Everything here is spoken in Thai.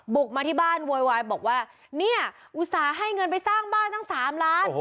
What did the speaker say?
มาที่บ้านโวยวายบอกว่าเนี่ยอุตส่าห์ให้เงินไปสร้างบ้านทั้ง๓ล้าน